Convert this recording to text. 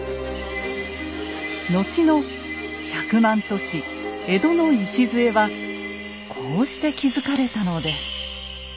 後の百万都市江戸の礎はこうして築かれたのです。